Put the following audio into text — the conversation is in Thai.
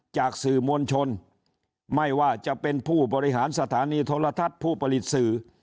จากสื่อมวลชนไม่ว่าจะเป็นผู้บริหารสถานีโทรทัศน์ผู้ผลิตสื่อ